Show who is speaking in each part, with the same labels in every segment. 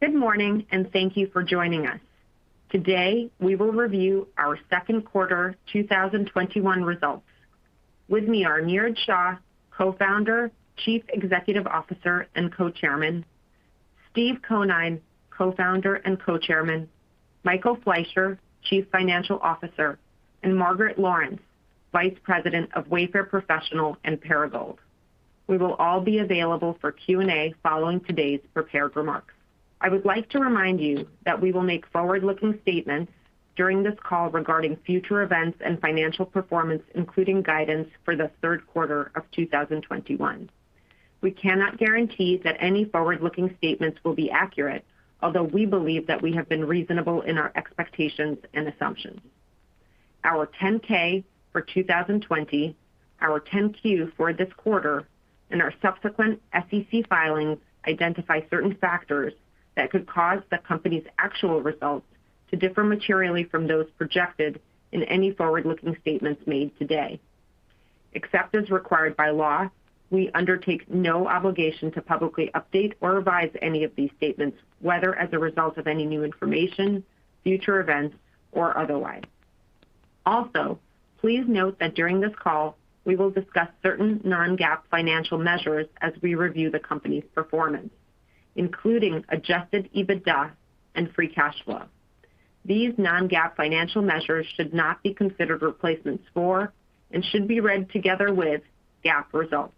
Speaker 1: Good morning, and thank you for joining us. Today, we will review our second quarter 2021 results. With me are Niraj Shah, Co-founder, Chief Executive Officer, and Co-chairman, Steve Conine, Co-founder and Co-chairman, Michael Fleisher, Chief Financial Officer, and Margaret Lawrence, Vice President of Wayfair Professional and Perigold. We will all be available for Q&A following today's prepared remarks. I would like to remind you that we will make forward-looking statements during this call regarding future events and financial performance, including guidance for the third quarter of 2021. We cannot guarantee that any forward-looking statements will be accurate, although we believe that we have been reasonable in our expectations and assumptions. Our 10-K for 2020, our 10-Q for this quarter, and our subsequent SEC filings identify certain factors that could cause the company's actual results to differ materially from those projected in any forward-looking statements made today. Except as required by law, we undertake no obligation to publicly update or revise any of these statements, whether as a result of any new information, future events, or otherwise. Also, please note that during this call, we will discuss certain non-GAAP financial measures as we review the company's performance, including adjusted EBITDA and free cash flow. These non-GAAP financial measures should not be considered replacements for, and should be read together with, GAAP results.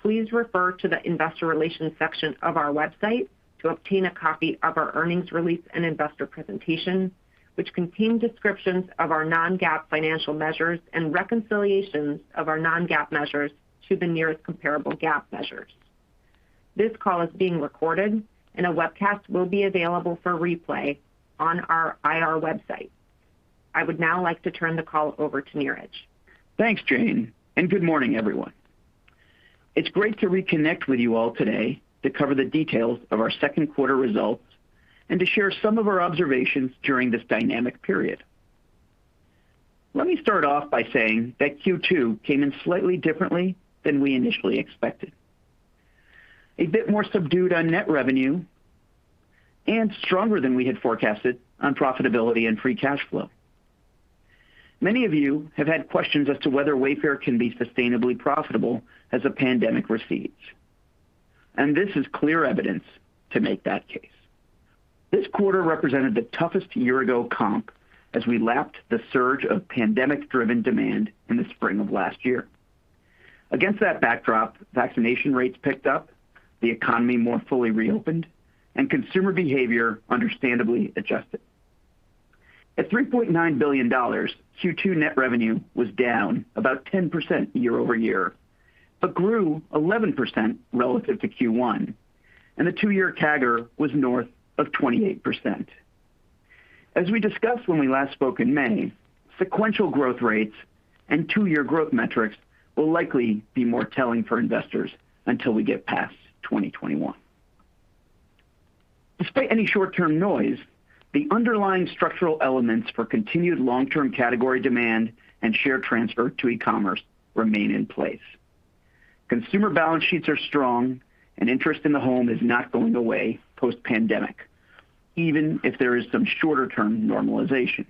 Speaker 1: Please refer to the investor relations section of our website to obtain a copy of our earnings release and investor presentation, which contain descriptions of our non-GAAP financial measures and reconciliations of our non-GAAP measures to the nearest comparable GAAP measures. This call is being recorded, and a webcast will be available for replay on our IR website. I would now like to turn the call over to Niraj.
Speaker 2: Thanks, Jane, and good morning, everyone. It's great to reconnect with you all today to cover the details of our second quarter results and to share some of our observations during this dynamic period. Let me start off by saying that Q2 came in slightly differently than we initially expected. A bit more subdued on net revenue and stronger than we had forecasted on profitability and free cash flow. Many of you have had questions as to whether Wayfair can be sustainably profitable as the pandemic recedes, and this is clear evidence to make that case. This quarter represented the toughest year-ago comp as we lapped the surge of pandemic-driven demand in the spring of last year. Against that backdrop, vaccination rates picked up, the economy more fully reopened, and consumer behavior understandably adjusted. At $3.9 billion, Q2 net revenue was down about 10% year-over-year, but grew 11% relative to Q1, and the two-year CAGR was north of 28%. As we discussed when we last spoke in May, sequential growth rates and two-year growth metrics will likely be more telling for investors until we get past 2021. Despite any short-term noise, the underlying structural elements for continued long-term category demand and share transfer to e-commerce remain in place. Consumer balance sheets are strong and interest in the home is not going away post-pandemic, even if there is some shorter-term normalization.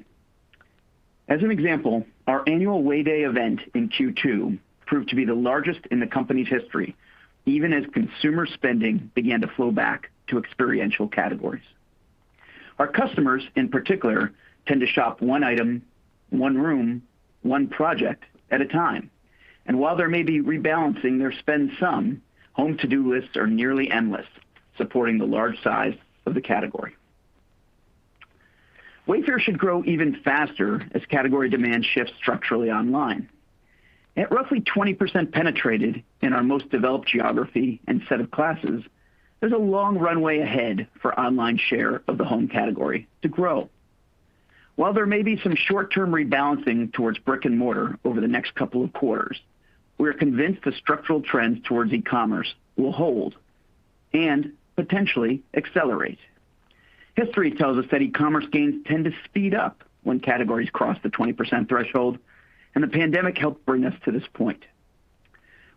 Speaker 2: As an example, our annual Way Day event in Q2 proved to be the largest in the company's history, even as consumer spending began to flow back to experiential categories. Our customers, in particular, tend to shop one item, one room, one project at a time, and while there may be rebalancing their spend some, home to-do lists are nearly endless, supporting the large size of the category. Wayfair should grow even faster as category demand shifts structurally online. At roughly 20% penetrated in our most developed geography and set of classes, there's a long runway ahead for online share of the home category to grow. While there may be some short-term rebalancing towards brick and mortar over the next couple of quarters, we are convinced the structural trends towards e-commerce will hold and potentially accelerate. History tells us that e-commerce gains tend to speed up when categories cross the 20% threshold. The pandemic helped bring us to this point.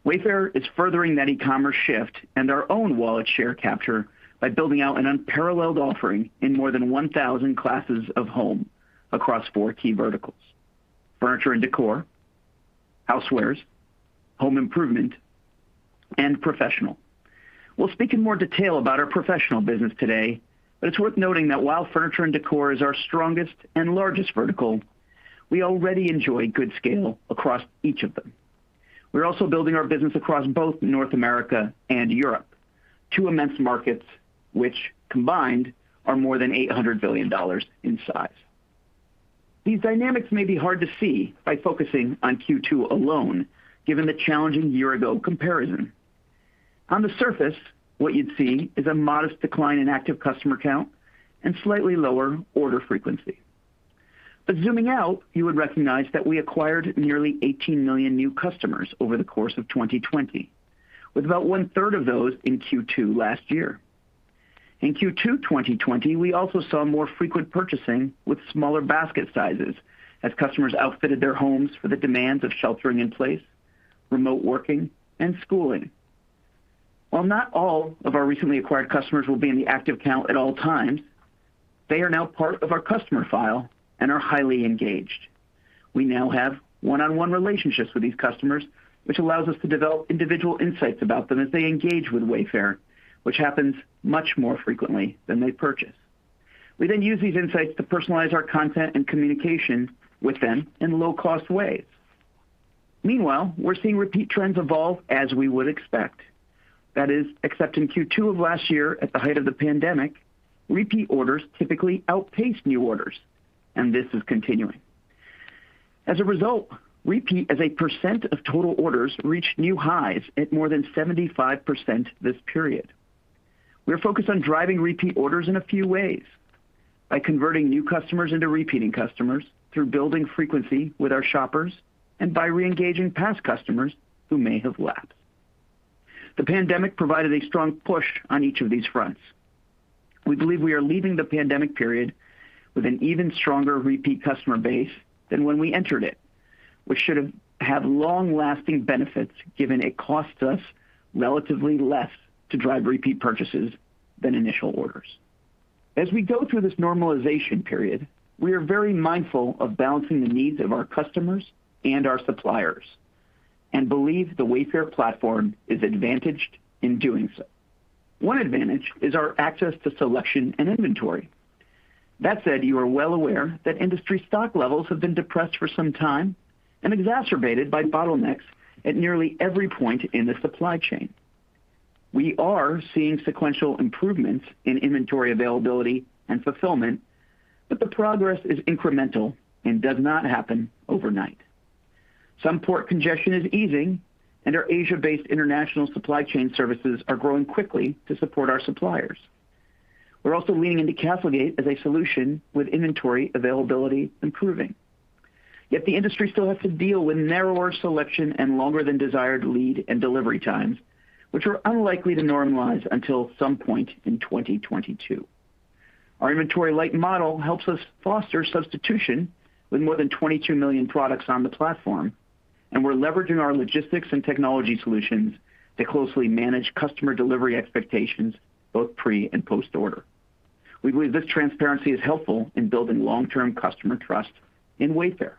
Speaker 2: Wayfair is furthering that e-commerce shift and our own wallet share capture by building out an unparalleled offering in more than 1,000 classes of home across four key verticals: furniture and decor, housewares, home improvement, and professional. We'll speak in more detail about our Professional business today, but it's worth noting that while furniture and decor is our strongest and largest vertical, we already enjoy good scale across each of them. We're also building our business across both North America and Europe, two immense markets which, combined, are more than $800 billion in size. These dynamics may be hard to see by focusing on Q2 alone, given the challenging year-ago comparison. On the surface, what you'd see is a modest decline in active customer count and slightly lower order frequency. Zooming out, you would recognize that we acquired nearly 18 million new customers over the course of 2020, with about one-third of those in Q2 last year. In Q2 2020, we also saw more frequent purchasing with smaller basket sizes as customers outfitted their homes for the demands of sheltering in place, remote working, and schooling. While not all of our recently acquired customers will be in the active count at all times, they are now part of our customer file and are highly engaged. We now have one-on-one relationships with these customers, which allows us to develop individual insights about them as they engage with Wayfair, which happens much more frequently than they purchase. We use these insights to personalize our content and communication with them in low-cost ways. Meanwhile, we're seeing repeat trends evolve as we would expect. That is, except in Q2 of last year at the height of the pandemic, repeat orders typically outpaced new orders, and this is continuing. As a result, repeat as a percent of total orders reached new highs at more than 75% this period. We are focused on driving repeat orders in a few ways: by converting new customers into repeating customers, through building frequency with our shoppers, and by reengaging past customers who may have lapsed. The pandemic provided a strong push on each of these fronts. We believe we are leaving the pandemic period with an even stronger repeat customer base than when we entered it, which should have long-lasting benefits, given it costs us relatively less to drive repeat purchases than initial orders. As we go through this normalization period, we are very mindful of balancing the needs of our customers and our suppliers and believe the Wayfair platform is advantaged in doing so. One advantage is our access to selection and inventory. That said, you are well aware that industry stock levels have been depressed for some time and exacerbated by bottlenecks at nearly every point in the supply chain. We are seeing sequential improvements in inventory availability and fulfillment, but the progress is incremental and does not happen overnight. Some port congestion is easing, and our Asia-based international supply chain services are growing quickly to support our suppliers. We're also leaning into CastleGate as a solution with inventory availability improving. Yet, the industry still has to deal with narrower selection and longer than desired lead and delivery times, which are unlikely to normalize until some point in 2022. Our inventory-light model helps us foster substitution with more than 22 million products on the platform, and we're leveraging our logistics and technology solutions to closely manage customer delivery expectations, both pre- and post-order. We believe this transparency is helpful in building long-term customer trust in Wayfair.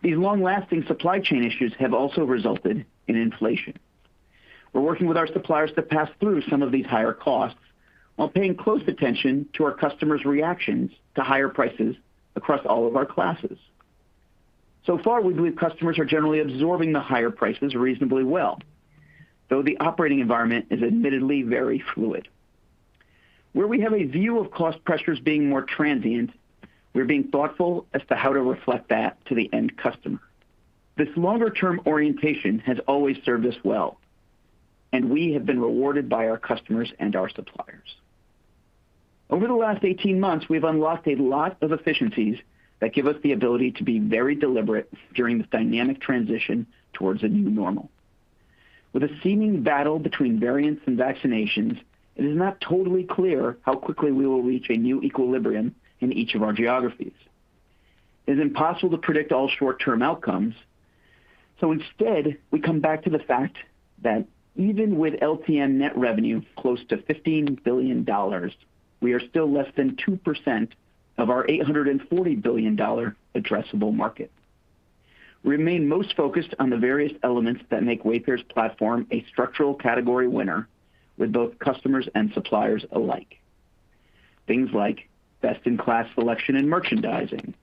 Speaker 2: These long-lasting supply chain issues have also resulted in inflation. We're working with our suppliers to pass through some of these higher costs while paying close attention to our customers' reactions to higher prices across all of our classes. So far, we believe customers are generally absorbing the higher prices reasonably well, though the operating environment is admittedly very fluid. Where we have a view of cost pressures being more transient, we're being thoughtful as to how to reflect that to the end customer. This longer-term orientation has always served us well, and we have been rewarded by our customers and our suppliers. Over the last 18 months, we've unlocked a lot of efficiencies that give us the ability to be very deliberate during this dynamic transition towards a new normal. With a seeming battle between variants and vaccinations, it is not totally clear how quickly we will reach a new equilibrium in each of our geographies. It is impossible to predict all short-term outcomes. Instead, we come back to the fact that even with LTM net revenue close to $15 billion, we are still less than 2% of our $840 billion addressable market. We remain most focused on the various elements that make Wayfair's platform a structural category winner with both customers and suppliers alike. Things like best-in-class selection and merchandising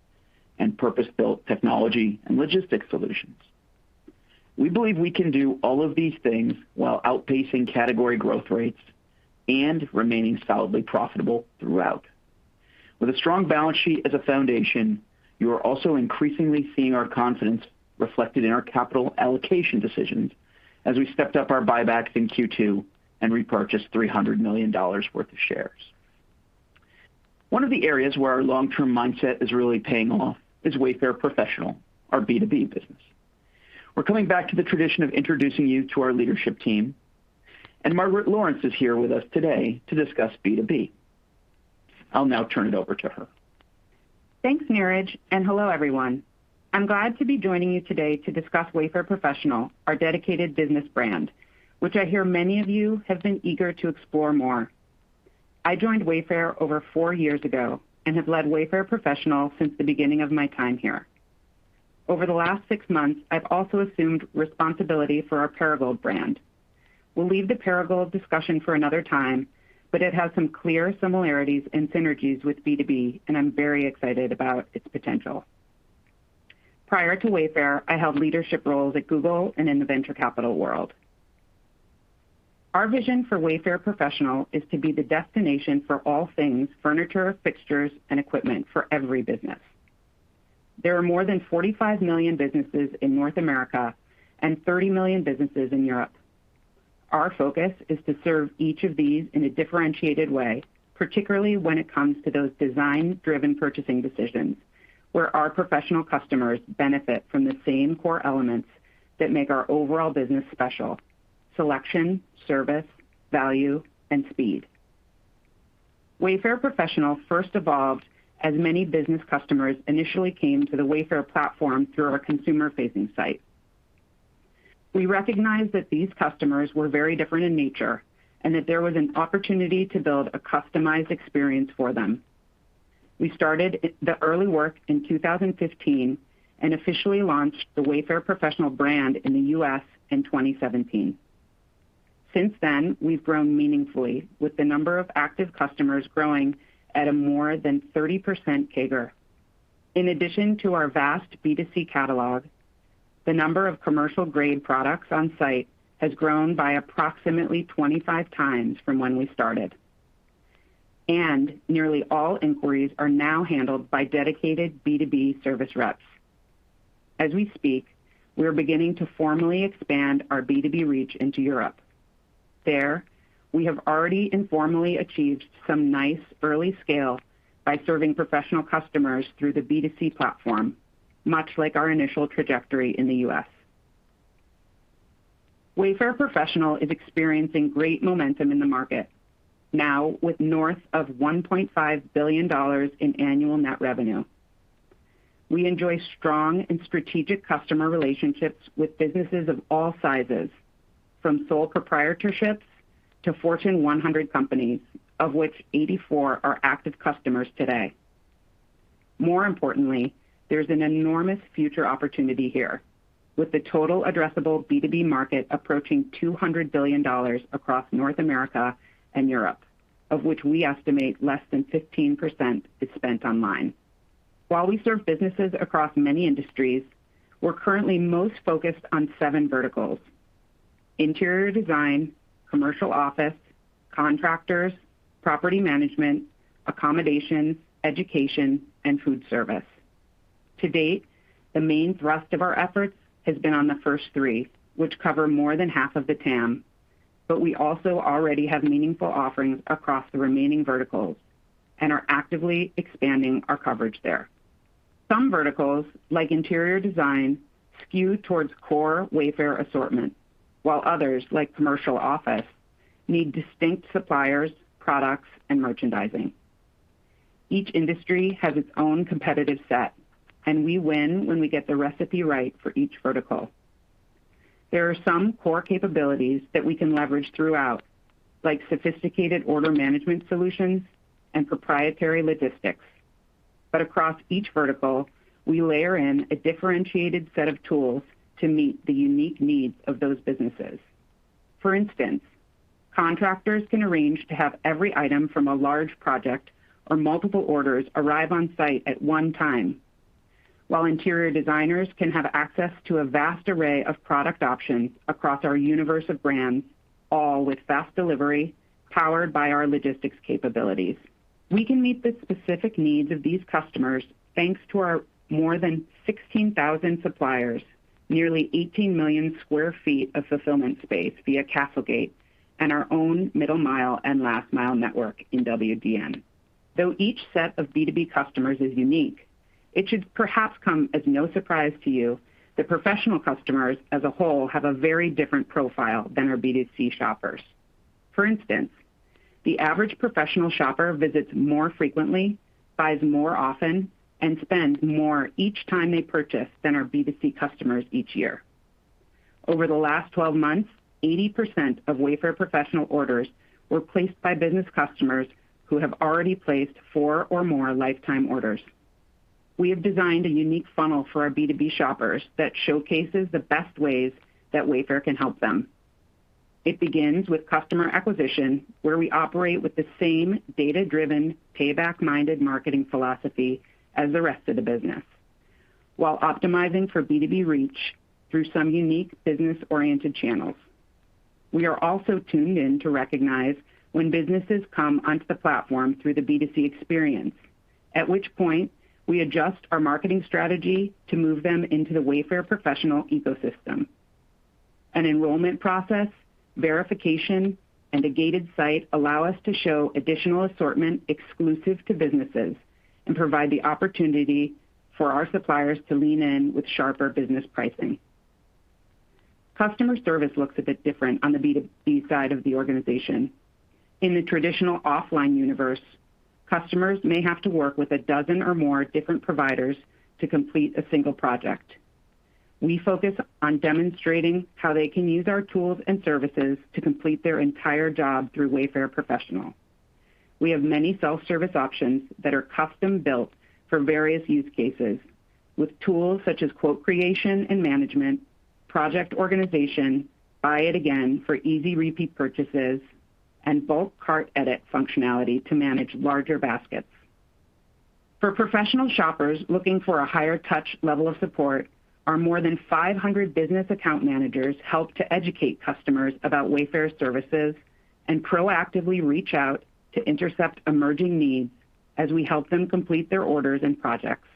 Speaker 2: and purpose-built technology and logistics solutions. We believe we can do all of these things while outpacing category growth rates and remaining solidly profitable throughout. With a strong balance sheet as a foundation, you are also increasingly seeing our confidence reflected in our capital allocation decisions as we stepped up our buybacks in Q2 and repurchased $300 million worth of shares. One of the areas where our long-term mindset is really paying off is Wayfair Professional, our B2B business. We're coming back to the tradition of introducing you to our leadership team, and Margaret Lawrence is here with us today to discuss B2B. I'll now turn it over to her.
Speaker 3: Thanks, Niraj, and hello, everyone. I'm glad to be joining you today to discuss Wayfair Professional, our dedicated business brand, which I hear many of you have been eager to explore more. I joined Wayfair over four years ago and have led Wayfair Professional since the beginning of my time here. Over the last six months, I've also assumed responsibility for our Perigold brand. We'll leave the Perigold discussion for another time, but it has some clear similarities and synergies with B2B, and I'm very excited about its potential. Prior to Wayfair, I held leadership roles at Google and in the venture capital world. Our vision for Wayfair Professional is to be the destination for all things furniture, fixtures, and equipment for every business. There are more than 45 million businesses in North America and 30 million businesses in Europe. Our focus is to serve each of these in a differentiated way, particularly when it comes to those design-driven purchasing decisions where our professional customers benefit from the same core elements that make our overall business special: selection, service, value, and speed. Wayfair Professional first evolved as many business customers initially came to the Wayfair platform through our consumer-facing site. We recognized that these customers were very different in nature, and that there was an opportunity to build a customized experience for them. We started the early work in 2015 and officially launched the Wayfair Professional brand in the U.S. in 2017. Since then, we've grown meaningfully with the number of active customers growing at a more than 30% CAGR. In addition to our vast B2C catalog, the number of commercial-grade products on site has grown by approximately 25 times from when we started. Nearly all inquiries are now handled by dedicated B2B service reps. As we speak, we are beginning to formally expand our B2B reach into Europe. There, we have already informally achieved some nice early scale by serving professional customers through the B2C platform, much like our initial trajectory in the U.S. Wayfair Professional is experiencing great momentum in the market, now with north of $1.5 billion in annual net revenue. We enjoy strong and strategic customer relationships with businesses of all sizes, from sole proprietorships to Fortune 100 companies, of which 84 are active customers today. More importantly, there's an enormous future opportunity here. With the total addressable B2B market approaching $200 billion across North America and Europe, of which we estimate less than 15% is spent online. While we serve businesses across many industries, we're currently most focused on seven verticals: interior design, commercial office, contractors, property management, accommodation, education, and food service. To date, the main thrust of our efforts has been on the first three, which cover more than half of the TAM, we also already have meaningful offerings across the remaining verticals and are actively expanding our coverage there. Some verticals, like interior design, skew towards core Wayfair assortment, while others, like commercial office, need distinct suppliers, products, and merchandising. Each industry has its own competitive set, and we win when we get the recipe right for each vertical. There are some core capabilities that we can leverage throughout, like sophisticated order management solutions and proprietary logistics. Across each vertical, we layer in a differentiated set of tools to meet the unique needs of those businesses. For instance, contractors can arrange to have every item from a large project or multiple orders arrive on site at one time. While interior designers can have access to a vast array of product options across our universe of brands, all with fast delivery powered by our logistics capabilities. We can meet the specific needs of these customers, thanks to our more than 16,000 suppliers, nearly 18 million sq ft of fulfillment space via CastleGate, and our own middle mile and last mile network in WDN. Though each set of B2B customers is unique, it should perhaps come as no surprise to you that professional customers as a whole have a very different profile than our B2C shoppers. For instance, the average professional shopper visits more frequently, buys more often, and spends more each time they purchase than our B2C customers each year. Over the last 12 months, 80% of Wayfair Professional orders were placed by business customers who have already placed four or more lifetime orders. We have designed a unique funnel for our B2B shoppers that showcases the best ways that Wayfair can help them. It begins with customer acquisition, where we operate with the same data-driven, payback-minded marketing philosophy as the rest of the business, while optimizing for B2B reach through some unique business-oriented channels. We are also tuned in to recognize when businesses come onto the platform through the B2C experience, at which point we adjust our marketing strategy to move them into the Wayfair Professional ecosystem. An enrollment process, verification, and a gated site allow us to show additional assortment exclusive to businesses and provide the opportunity for our suppliers to lean in with sharper business pricing. Customer service looks a bit different on the B2B side of the organization. In the traditional offline universe, customers may have to work with a dozen or more different providers to complete a single project. We focus on demonstrating how they can use our tools and services to complete their entire job through Wayfair Professional. We have many self-service options that are custom-built for various use cases with tools such as quote creation and management, project organization, buy it again for easy repeat purchases, and bulk cart edit functionality to manage larger baskets. For professional shoppers looking for a higher touch level of support, our more than 500 business account managers help to educate customers about Wayfair's services and proactively reach out to intercept emerging needs as we help them complete their orders and projects.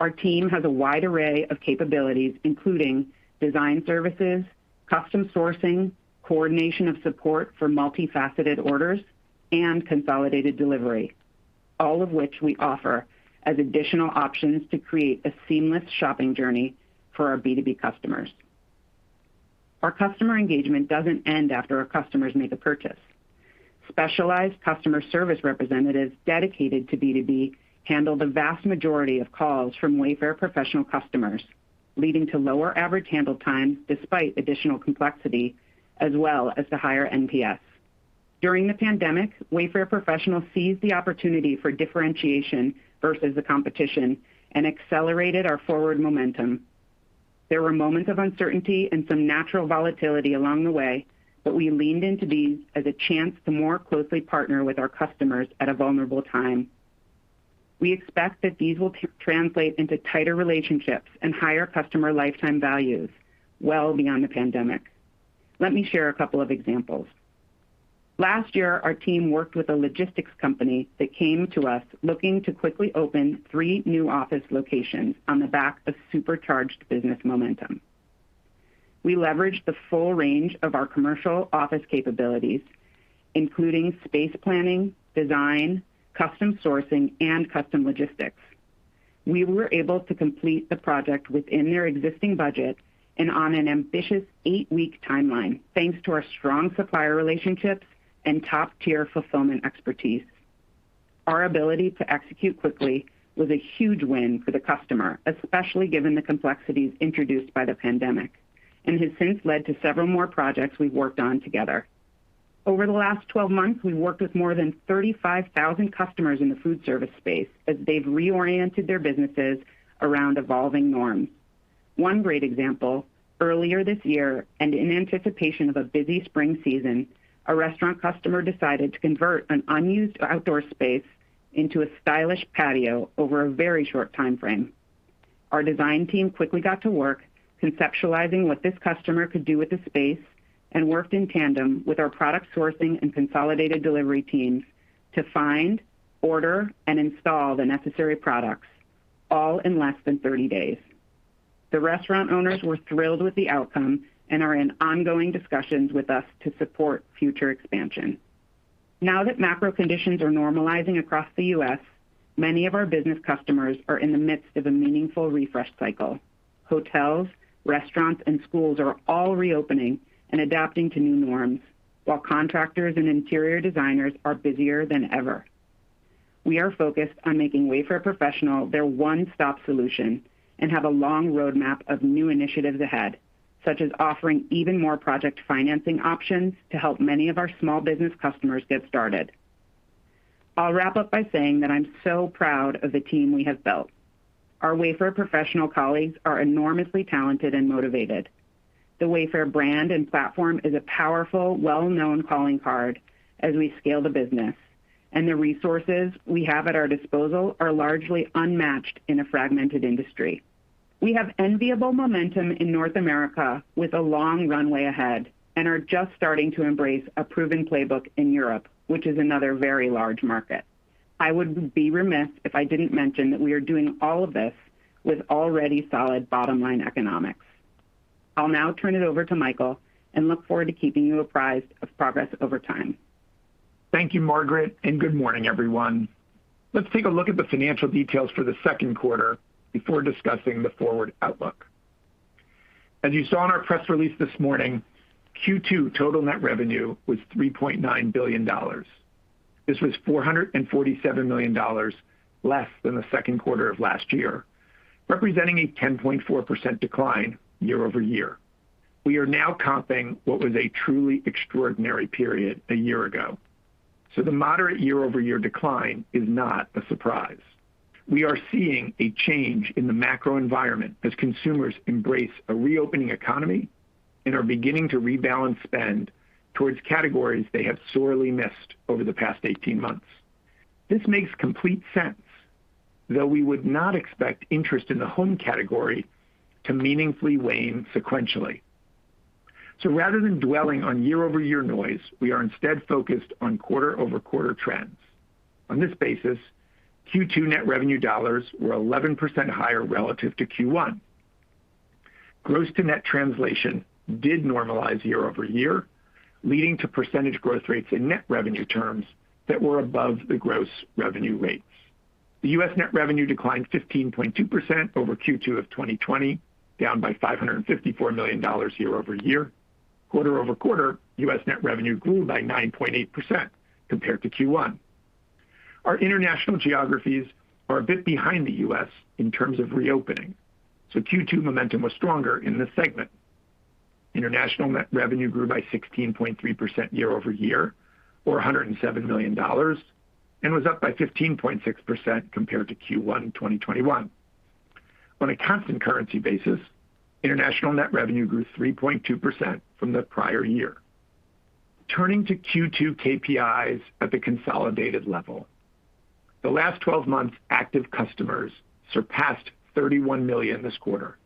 Speaker 3: Our team has a wide array of capabilities, including design services, custom sourcing, coordination of support for multifaceted orders, and consolidated delivery, all of which we offer as additional options to create a seamless shopping journey for our B2B customers. Our customer engagement doesn't end after our customers make a purchase. Specialized customer service representatives dedicated to B2B handle the vast majority of calls from Wayfair Professional customers, leading to lower average handle time despite additional complexity, as well as the higher NPS. During the pandemic, Wayfair Professional seized the opportunity for differentiation versus the competition and accelerated our forward momentum. There were moments of uncertainty and some natural volatility along the way, but we leaned into these as a chance to more closely partner with our customers at a vulnerable time. We expect that these will translate into tighter relationships and higher customer lifetime values well beyond the pandemic. Let me share a couple of examples. Last year, our team worked with a logistics company that came to us looking to quickly open three new office locations on the back of supercharged business momentum. We leveraged the full range of our commercial office capabilities, including space planning, design, custom sourcing, and custom logistics. We were able to complete the project within their existing budget and on an ambitious eight-week timeline, thanks to our strong supplier relationships and top-tier fulfillment expertise. Our ability to execute quickly was a huge win for the customer, especially given the complexities introduced by the pandemic, and has since led to several more projects we've worked on together. Over the last 12 months, we've worked with more than 35,000 customers in the food service space as they've reoriented their businesses around evolving norms. One great example, earlier this year, in anticipation of a busy spring season, a restaurant customer decided to convert an unused outdoor space into a stylish patio over a very short timeframe. Our design team quickly got to work conceptualizing what this customer could do with the space and worked in tandem with our product sourcing and consolidated delivery teams to find, order, and install the necessary products, all in less than 30 days. The restaurant owners were thrilled with the outcome and are in ongoing discussions with us to support future expansion. Now that macro conditions are normalizing across the U.S., many of our business customers are in the midst of a meaningful refresh cycle. Hotels, restaurants, and schools are all reopening and adapting to new norms, while contractors and interior designers are busier than ever. We are focused on making Wayfair Professional their one-stop solution and have a long roadmap of new initiatives ahead, such as offering even more project financing options to help many of our small business customers get started. I'll wrap up by saying that I'm so proud of the team we have built. Our Wayfair Professional colleagues are enormously talented and motivated. The Wayfair brand and platform is a powerful, well-known calling card as we scale the business, and the resources we have at our disposal are largely unmatched in a fragmented industry. We have enviable momentum in North America with a long runway ahead and are just starting to embrace a proven playbook in Europe, which is another very large market. I would be remiss if I didn't mention that we are doing all of this with already solid bottom-line economics. I'll now turn it over to Michael and look forward to keeping you apprised of progress over time.
Speaker 4: Thank you, Margaret, and good morning, everyone. Let's take a look at the financial details for the second quarter before discussing the forward outlook. As you saw in our press release this morning, Q2 total net revenue was $3.9 billion. This was $447 million less than the second quarter of last year, representing a 10.4% decline year-over-year. We are now comping what was a truly extraordinary period a year ago, so the moderate year-over-year decline is not a surprise. We are seeing a change in the macro environment as consumers embrace a reopening economy and are beginning to rebalance spend towards categories they have sorely missed over the past 18 months. This makes complete sense, though we would not expect interest in the home category to meaningfully wane sequentially. Rather than dwelling on year-over-year noise, we are instead focused on quarter-over-quarter trends. On this basis, Q2 net revenue dollars were 11% higher relative to Q1. Gross-to-net translation did normalize year-over-year, leading to percentage growth rates in net revenue terms that were above the gross revenue rates. The U.S. net revenue declined 15.2% over Q2 of 2020, down by $554 million year-over-year. Quarter-over-quarter, U.S. net revenue grew by 9.8% compared to Q1. Our international geographies are a bit behind the U.S. in terms of reopening, so Q2 momentum was stronger in this segment. International net revenue grew by 16.3% year-over-year or $107 million and was up by 15.6% compared to Q1 2021. On a constant currency basis, international net revenue grew 3.2% from the prior year. Turning to Q2 KPIs at the consolidated level. The last 12 months' active customers surpassed 31 million this quarter,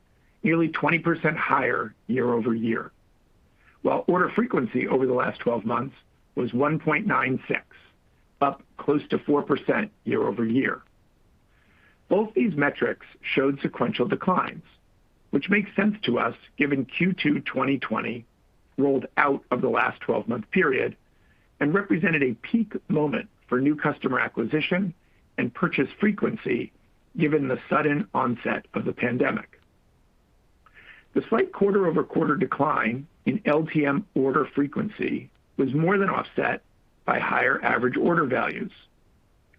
Speaker 4: nearly 20% higher year-over-year, while order frequency over the last 12 months was 1.96, up close to 4% year-over-year. Both these metrics showed sequential declines, which makes sense to us given Q2 2020 rolled out of the last 12-month period. Represented a peak moment for new customer acquisition and purchase frequency, given the sudden onset of the pandemic. The slight quarter-over-quarter decline in LTM order frequency was more than offset by higher average order values,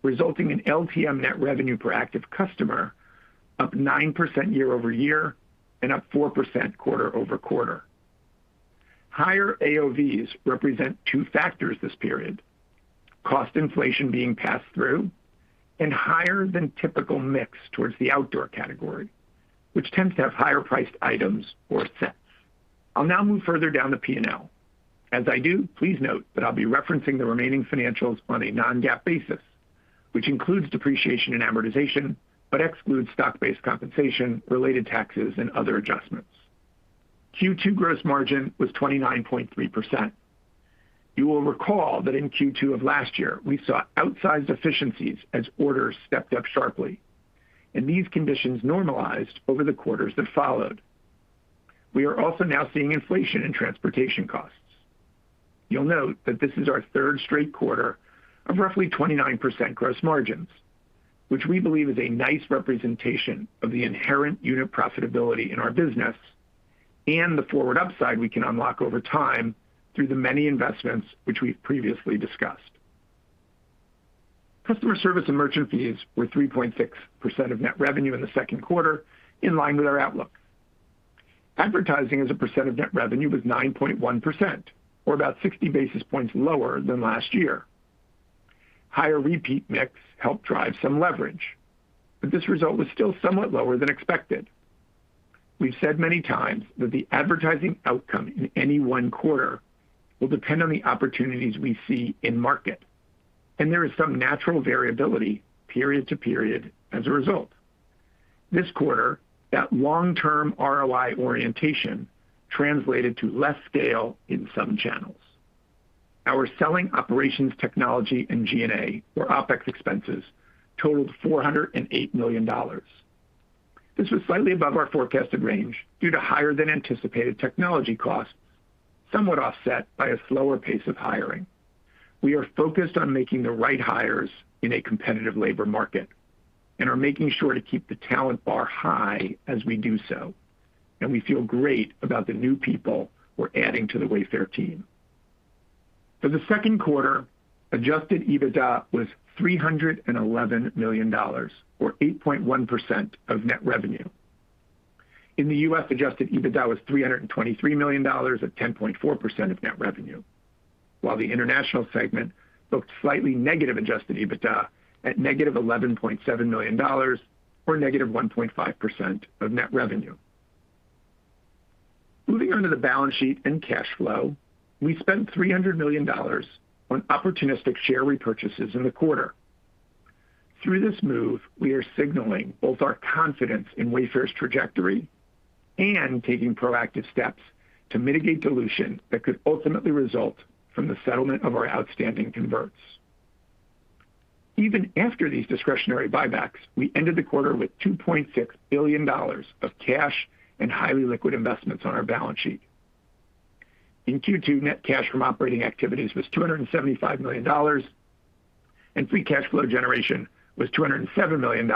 Speaker 4: resulting in LTM net revenue per active customer up 9% year-over-year and up 4% quarter-over-quarter. Higher AOVs represent two factors this period, cost inflation being passed through and higher than typical mix towards the outdoor category, which tends to have higher priced items or sets. I'll now move further down the P&L. As I do, please note that I'll be referencing the remaining financials on a non-GAAP basis, which includes depreciation and amortization, but excludes stock-based compensation, related taxes, and other adjustments. Q2 gross margin was 29.3%. You will recall that in Q2 of last year, we saw outsized efficiencies as orders stepped up sharply, and these conditions normalized over the quarters that followed. We are also now seeing inflation in transportation costs. You'll note that this is our third straight quarter of roughly 29% gross margins, which we believe is a nice representation of the inherent unit profitability in our business and the forward upside we can unlock over time through the many investments which we've previously discussed. Customer service and merchant fees were 3.6% of net revenue in the second quarter, in line with our outlook. Advertising as a percent of net revenue was 9.1%, or about 60 basis points lower than last year. Higher repeat mix helped drive some leverage. This result was still somewhat lower than expected. We've said many times that the advertising outcome in any one quarter will depend on the opportunities we see in market, and there is some natural variability period to period as a result. This quarter, that long-term ROI orientation translated to less scale in some channels. Our selling, operations, technology and G&A, or OpEx expenses totaled $408 million. This was slightly above our forecasted range due to higher than anticipated technology costs, somewhat offset by a slower pace of hiring. We are focused on making the right hires in a competitive labor market and are making sure to keep the talent bar high as we do so, and we feel great about the new people we're adding to the Wayfair team. For the second quarter, adjusted EBITDA was $311 million, or 8.1% of net revenue. In the U.S., adjusted EBITDA was $323 million at 10.4% of net revenue. While the international segment booked slightly negative adjusted EBITDA at -$11.7 million, or -1.5% of net revenue. Moving on to the balance sheet and cash flow, we spent $300 million on opportunistic share repurchases in the quarter. Through this move, we are signaling both our confidence in Wayfair's trajectory and taking proactive steps to mitigate dilution that could ultimately result from the settlement of our outstanding converts. Even after these discretionary buybacks, we ended the quarter with $2.6 billion of cash and highly liquid investments on our balance sheet. In Q2, net cash from operating activities was $275 million, and free cash flow generation was $207 million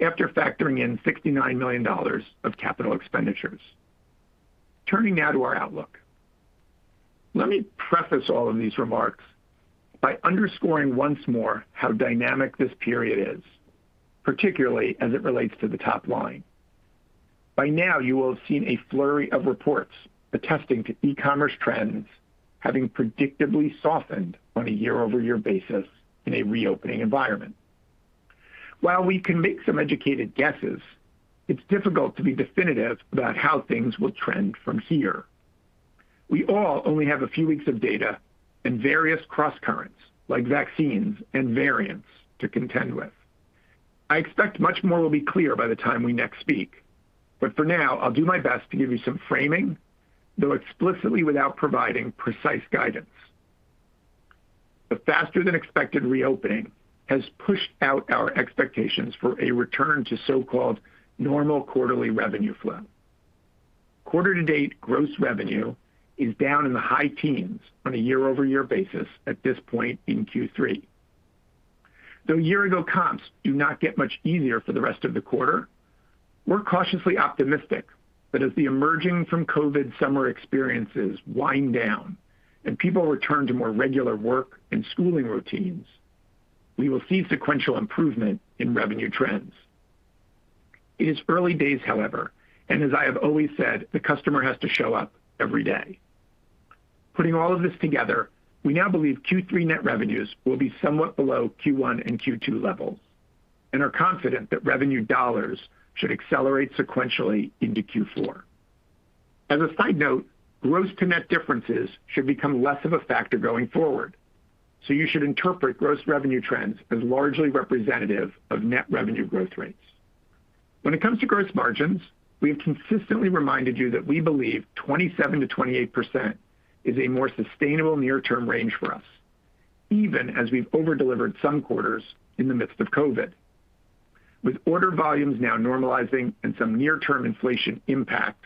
Speaker 4: after factoring in $69 million of capital expenditures. Turning now to our outlook. Let me preface all of these remarks by underscoring once more how dynamic this period is, particularly as it relates to the top line. By now, you will have seen a flurry of reports attesting to e-commerce trends having predictably softened on a year-over-year basis in a reopening environment. While we can make some educated guesses, it's difficult to be definitive about how things will trend from here. We all only have a few weeks of data and various crosscurrents, like vaccines and variants to contend with. I expect much more will be clear by the time we next speak, but for now, I'll do my best to give you some framing, though explicitly without providing precise guidance. The faster than expected reopening has pushed out our expectations for a return to so-called normal quarterly revenue flow. Quarter to date, gross revenue is down in the high teens on a year-over-year basis at this point in Q3. Though year-ago comps do not get much easier for the rest of the quarter, we're cautiously optimistic that as the emerging from COVID summer experiences wind down and people return to more regular work and schooling routines, we will see sequential improvement in revenue trends. It is early days, however, and as I have always said, the customer has to show up every day. Putting all of this together, we now believe Q3 net revenues will be somewhat below Q1 and Q2 levels and are confident that revenue dollars should accelerate sequentially into Q4. As a side note, gross to net differences should become less of a factor going forward, so you should interpret gross revenue trends as largely representative of net revenue growth rates. When it comes to gross margins, we have consistently reminded you that we believe 27%-28% is a more sustainable near-term range for us, even as we've over-delivered some quarters in the midst of COVID. With order volumes now normalizing and some near-term inflation impact,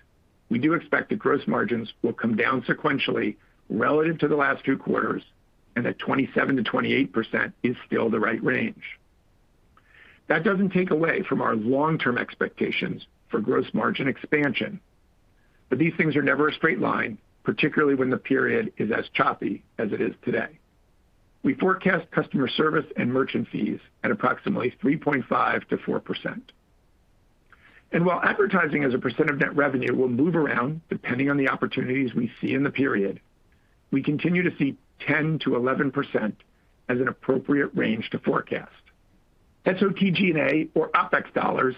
Speaker 4: we do expect that gross margins will come down sequentially relative to the last two quarters, and that 27%-28% is still the right range. That doesn't take away from our long-term expectations for gross margin expansion. These things are never a straight line, particularly when the period is as choppy as it is today. We forecast customer service and merchant fees at approximately 3.5%-4%. While advertising as a percent of net revenue will move around depending on the opportunities we see in the period, we continue to see 10%-11% as an appropriate range to forecast. SG&A or OpEx dollars,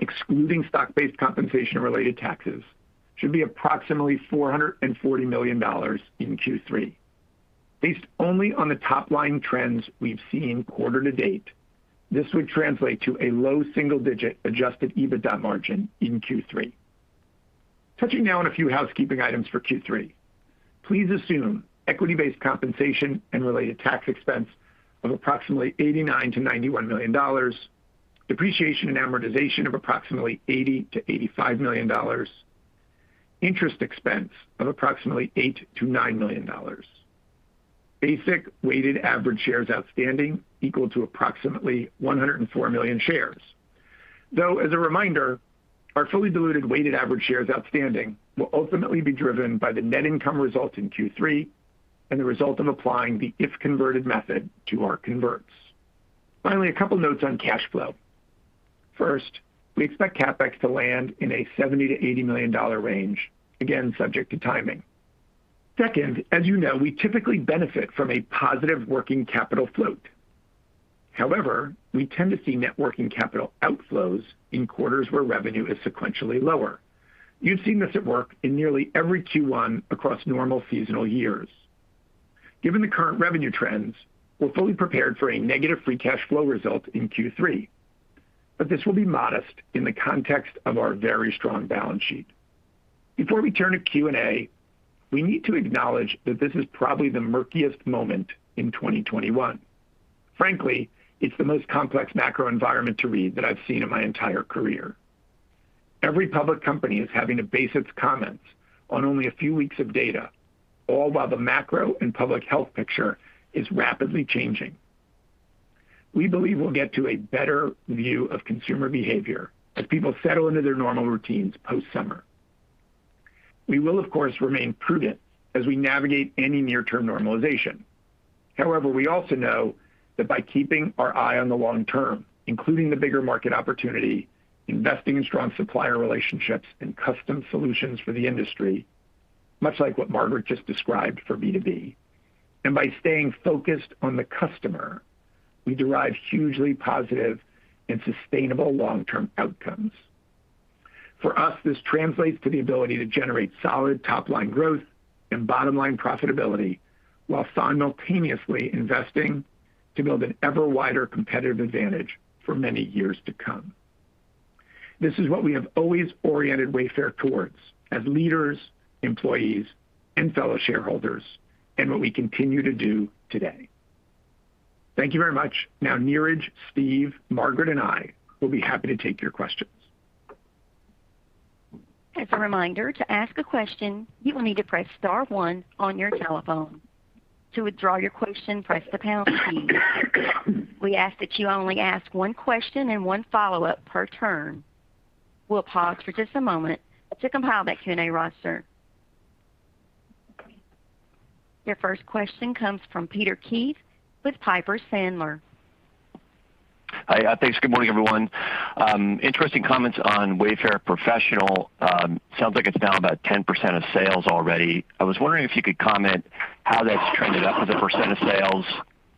Speaker 4: excluding stock-based compensation related taxes, should be approximately $440 million in Q3. Based only on the top-line trends we've seen quarter to date, this would translate to a low single-digit adjusted EBITDA margin in Q3. Touching now on a few housekeeping items for Q3. Please assume equity-based compensation and related tax expense of approximately $89 million-$91 million, depreciation and amortization of approximately $80 million-$85 million, interest expense of approximately $8 million-$9 million. Basic weighted average shares outstanding equal to approximately 104 million shares. Though as a reminder, our fully diluted weighted average shares outstanding will ultimately be driven by the net income result in Q3 and the result of applying the if-converted method to our converts. Finally, a couple notes on cash flow. First, we expect CapEx to land in a $70 million-$80 million range, again, subject to timing. Second, as you know, we typically benefit from a positive working capital float. However, we tend to see net working capital outflows in quarters where revenue is sequentially lower. You've seen this at work in nearly every Q1 across normal seasonal years. Given the current revenue trends, we're fully prepared for a negative free cash flow result in Q3. This will be modest in the context of our very strong balance sheet. Before we turn to Q&A, we need to acknowledge that this is probably the murkiest moment in 2021. Frankly, it's the most complex macro environment to read that I've seen in my entire career. Every public company is having to base its comments on only a few weeks of data, all while the macro and public health picture is rapidly changing. We believe we'll get to a better view of consumer behavior as people settle into their normal routines post-summer. We will, of course, remain prudent as we navigate any near-term normalization. However, we also know that by keeping our eye on the long term, including the bigger market opportunity, investing in strong supplier relationships and custom solutions for the industry, much like what Margaret just described for B2B, and by staying focused on the customer, we derive hugely positive and sustainable long-term outcomes. For us, this translates to the ability to generate solid top-line growth and bottom-line profitability while simultaneously investing to build an ever wider competitive advantage for many years to come. This is what we have always oriented Wayfair towards as leaders, employees, and fellow shareholders, and what we continue to do today. Thank you very much. Now, Niraj, Steve, Margaret, and I will be happy to take your questions.
Speaker 5: As a reminder, to ask a question, you will need to press star one on your telephone. To withdraw your question, press the pound key. We ask that you only ask one question and one follow-up per turn. We'll pause for just a moment to compile that Q&A roster. Your first question comes from Peter Keith with Piper Sandler.
Speaker 6: Hi. Thanks. Good morning, everyone. Interesting comments on Wayfair Professional. Sounds like it's now about 10% of sales already. I was wondering if you could comment how that's trended up as a percent of sales,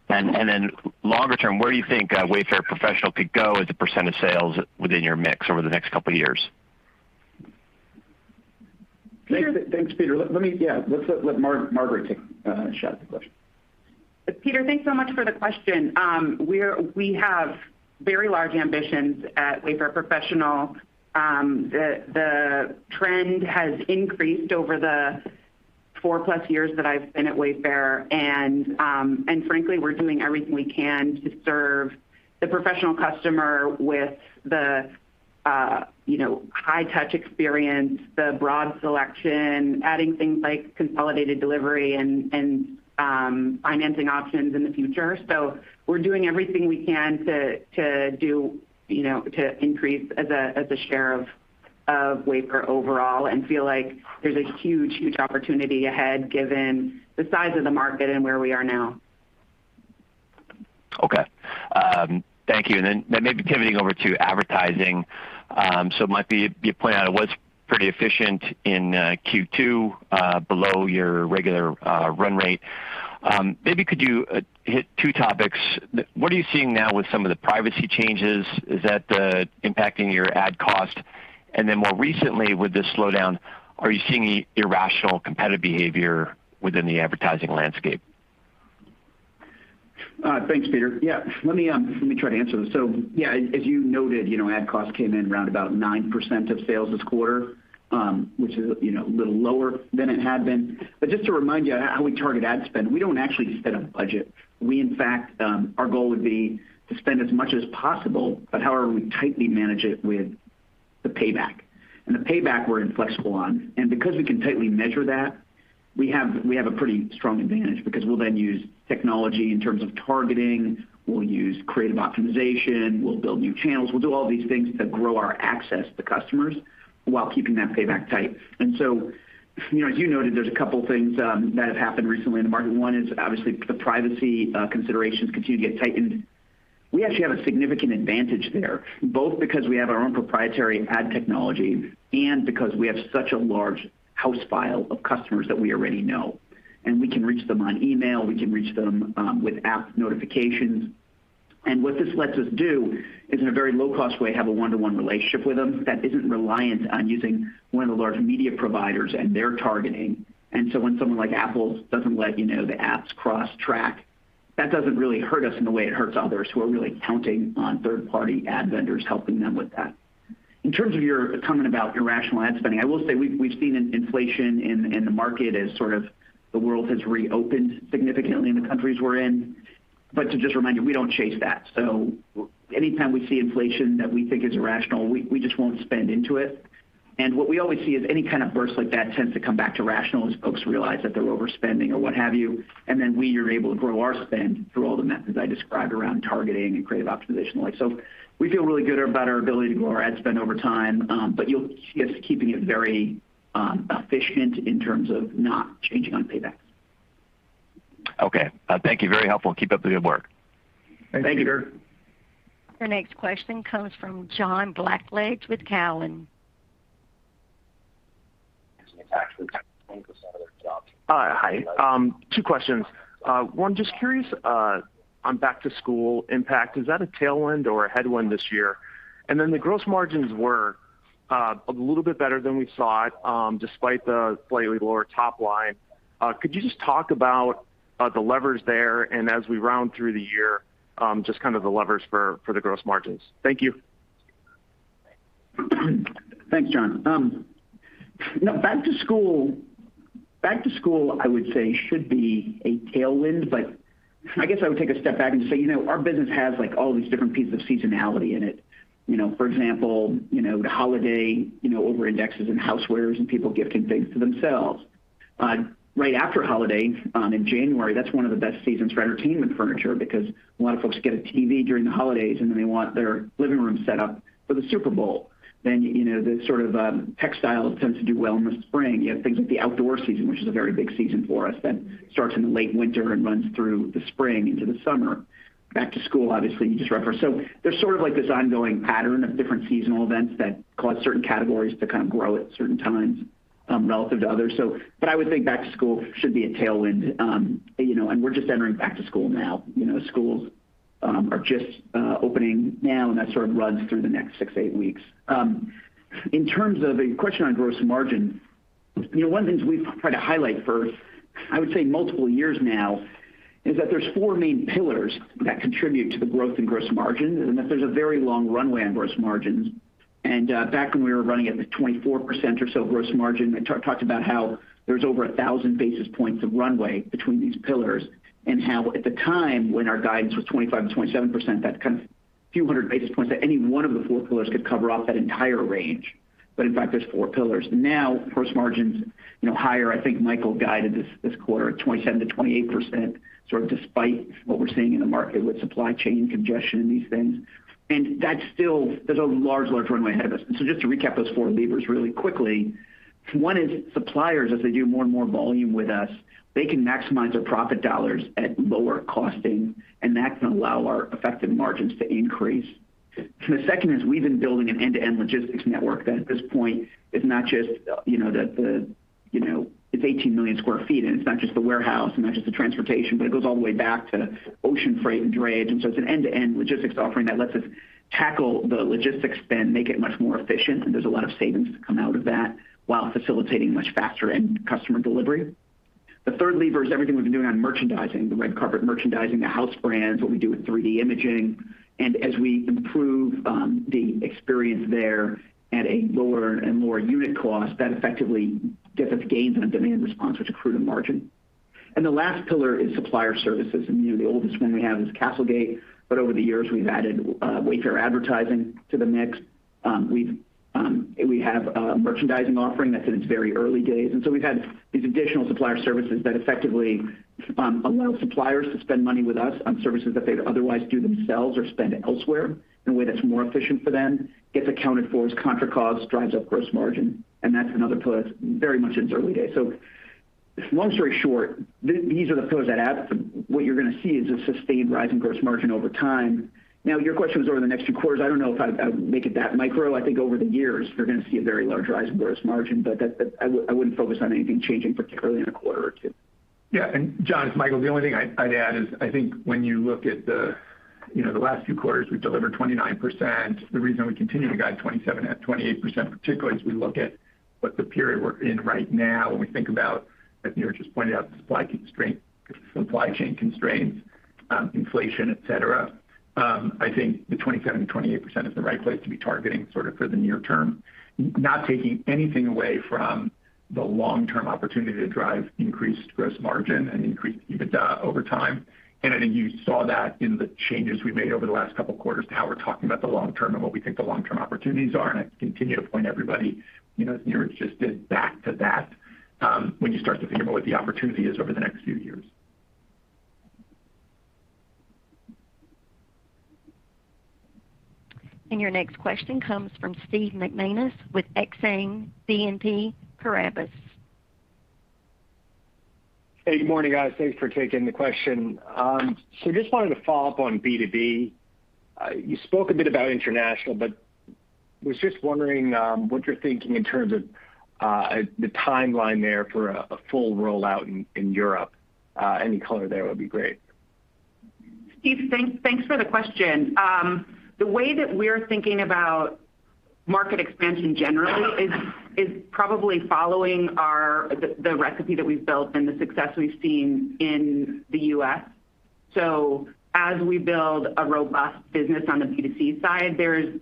Speaker 6: and then longer term, where you think Wayfair Professional could go as a percent of sales within your mix over the next couple of years.
Speaker 4: Thanks, Peter. Let Margaret take a shot at the question.
Speaker 3: Peter, thanks so much for the question. We have very large ambitions at Wayfair Professional. The trend has increased over the 4+ years that I've been at Wayfair. Frankly, we're doing everything we can to serve the professional customer with the high-touch experience, the broad selection, adding things like consolidated delivery and financing options in the future. We're doing everything we can to increase as a share of Wayfair overall and feel like there's a huge opportunity ahead given the size of the market and where we are now.
Speaker 6: Okay. Thank you. Maybe pivoting over to advertising. Might be, you point out it was pretty efficient in Q2, below your regular run rate. Maybe could you hit two topics? What are you seeing now with some of the privacy changes? Is that impacting your ad cost? Then more recently, with this slowdown, are you seeing any irrational competitive behavior within the advertising landscape?
Speaker 2: Thanks, Peter. Yeah. Let me try to answer this. Yeah, as you noted, ad cost came in around about 9% of sales this quarter, which is a little lower than it had been. Just to remind you how we target ad spend, we don't actually set a budget. Our goal would be to spend as much as possible, but however, we tightly manage it with The payback. The payback we're inflexible on. Because we can tightly measure that, we have a pretty strong advantage because we'll then use technology in terms of targeting, we'll use creative optimization, we'll build new channels. We'll do all these things that grow our access to customers while keeping that payback tight. As you noted, there's a couple of things that have happened recently in the market. One is obviously the privacy considerations continue to get tightened. We actually have a significant advantage there, both because we have our own proprietary ad technology and because we have such a large house file of customers that we already know. We can reach them on email, we can reach them with app notifications. What this lets us do is, in a very low-cost way, have a one-to-one relationship with them that isn't reliant on using one of the large media providers and their targeting. When someone like Apple doesn't let you know the apps cross-track, that doesn't really hurt us in the way it hurts others who are really counting on third-party ad vendors helping them with that. In terms of your comment about irrational ad spending, I will say we've seen an inflation in the market as the world has reopened significantly in the countries we're in. To just remind you, we don't chase that. Anytime we see inflation that we think is irrational, we just won't spend into it. What we always see is any kind of burst like that tends to come back to rational as folks realize that they're overspending or what have you. We are able to grow our spend through all the methods I described around targeting and creative optimization. We feel really good about our ability to grow our ad spend over time. Just keeping it very efficient in terms of not changing on paybacks.
Speaker 6: Okay. Thank you. Very helpful. Keep up the good work.
Speaker 2: Thank you.
Speaker 4: Thank you.
Speaker 5: Your next question comes from John Blackledge with Cowen.
Speaker 7: Hi. Two questions. One, just curious on back-to-school impact. Is that a tailwind or a headwind this year? The gross margins were a little bit better than we saw it, despite the slightly lower top line. Could you just talk about the levers there and as we round through the year, just kind of the levers for the gross margins? Thank you.
Speaker 2: Thanks, John. Back to school, I would say should be a tailwind, but I guess I would take a step back and just say, our business has all these different pieces of seasonality in it. For example, the holiday over-indexes in housewares and people gifting things to themselves. Right after holidays, in January, that's one of the best seasons for entertainment furniture because a lot of folks get a TV during the holidays, and then they want their living room set up for the Super Bowl. The sort of textiles tend to do well in the spring. You have things like the outdoor season, which is a very big season for us, that starts in the late winter and runs through the spring into the summer. Back to school, obviously, you just referenced. There's sort of this ongoing pattern of different seasonal events that cause certain categories to kind of grow at certain times relative to others. I would think back to school should be a tailwind. We're just entering back to school now. Schools are just opening now, and that sort of runs through the next six, eight weeks. In terms of your question on gross margin, one of the things we've tried to highlight for, I would say multiple years now, is that there's four main pillars that contribute to the growth in gross margin, and that there's a very long runway on gross margins. Back when we were running at the 24% or so gross margin, I talked about how there was over 1,000 basis points of runway between these pillars, and how at the time when our guidance was 25%-27%, that kind of few hundred basis points, that any one of the four pillars could cover off that entire range. In fact, there's four pillars. Gross margin's higher. I think Michael guided this quarter at 27%-28%, sort of despite what we're seeing in the market with supply chain congestion and these things. There's a large runway ahead of us. Just to recap those four levers really quickly. One is suppliers, as they do more and more volume with us, they can maximize their profit dollars at lower costing, and that can allow our effective margins to increase. The second is we've been building an end-to-end logistics network that at this point is not just 18 million sq ft, and it's not just the warehouse, and not just the transportation, but it goes all the way back to ocean freight and drayage. It's an end-to-end logistics offering that lets us tackle the logistics spend, make it much more efficient, and there's a lot of savings to come out of that while facilitating much faster end customer delivery. The third lever is everything we've been doing on merchandising, the red carpet merchandising, the house brands, what we do with 3D imaging. As we improve the experience there at a lower and lower unit cost, that effectively gets us gains on a demand response, which accrue to margin. The last pillar is supplier services, and the oldest one we have is CastleGate. Over the years, we've added Wayfair Advertising to the mix. We have a merchandising offering that's in its very early days. We've had these additional supplier services that effectively allow suppliers to spend money with us on services that they'd otherwise do themselves or spend elsewhere in a way that's more efficient for them, gets accounted for as contra cost, drives up gross margin, and that's another pillar that's very much in its early days. Long story short, these are the pillars that add up. What you're going to see is a sustained rise in gross margin over time. Your question was over the next few quarters. I don't know if I would make it that micro. I think over the years, you're going to see a very large rise in gross margin, but I wouldn't focus on anything changing particularly in a quarter or two.
Speaker 4: Yeah. John, it's Michael. The only thing I'd add is I think when you look at the last few quarters, we've delivered 29%. The reason we continue to guide 27%-28%, particularly as we look at what the period we're in right now, when we think about, as Niraj just pointed out, the supply chain constraints, inflation, et cetera. I think the 27%-28% is the right place to be targeting sort of for the near term. Not to give anything away from the long-term opportunity to drive increased gross margin and increased EBITDA over time. I think you saw that in the changes we made over the last couple of quarters to how we're talking about the long term and what we think the long-term opportunities are. I continue to point everybody, as Niraj just did, back to that when you start to think about what the opportunity is over the next few years.
Speaker 5: Your next question comes from Steve McManus with Exane BNP Paribas.
Speaker 8: Hey, good morning, guys. Thanks for taking the question. Just wanted to follow up on B2B. You spoke a bit about international, but was just wondering what you're thinking in terms of the timeline there for a full rollout in Europe. Any color there would be great.
Speaker 3: Steve, thanks for the question. The way that we're thinking about market expansion generally is probably following the recipe that we've built and the success we've seen in the U.S. As we build a robust business on the B2C side, there is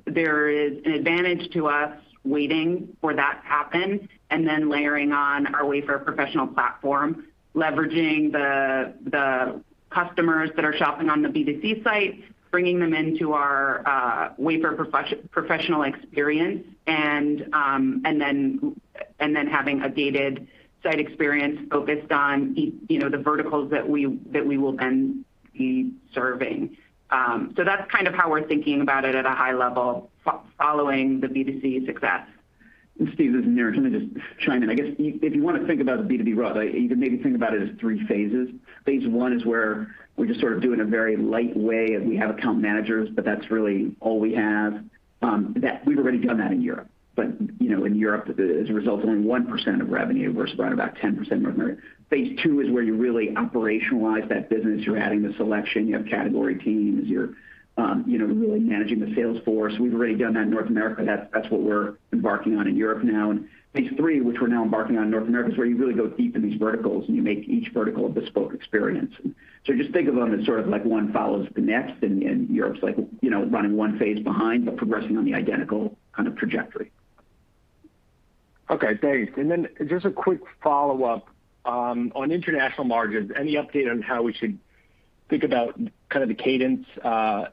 Speaker 3: an advantage to us waiting for that to happen and then layering on our Wayfair Professional platform, leveraging the customers that are shopping on the B2C site, bringing them into our Wayfair Professional experience, and then having a gated site experience focused on the verticals that we will then be serving. That's kind of how we're thinking about it at a high level, following the B2C success.
Speaker 2: Steve, this is Niraj. Let me just chime in. I guess if you want to think about B2B, you can maybe think about it as three phases. Phase I is where we just sort of do in a very light way of we have account managers, but that's really all we have. We've already done that in Europe. In Europe, as a result, it's only 1% of revenue versus right about 10% in North America. Phase II is where you really operationalize that business. You're adding the selection, you have category teams, you're really managing the sales force. We've already done that in North America. That's what we're embarking on in Europe now. Phase III, which we're now embarking on in North America, is where you really go deep in these verticals and you make each vertical a bespoke experience. Just think of them as sort of like one follows the next, and Europe's running one phase behind, but progressing on the identical kind of trajectory.
Speaker 8: Okay, thanks. Just a quick follow-up. On international margins, any update on how we should think about kind of the cadence